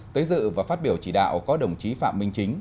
tới dự và phát biểu chỉ đạo có đồng chí phạm minh chính